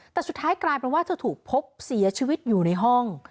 แต่สุดท้ายกลายเป็นว่าเธอถูกพบเสียชีวิตอยู่ในห้อง